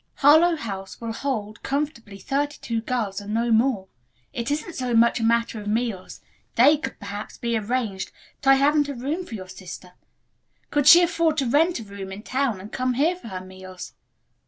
Harlowe House will hold, comfortably, thirty two girls and no more. It isn't so much a matter of meals. They could, perhaps, be arranged, but I haven't a room for your sister. Could she afford to rent a room in town and come here for her meals?"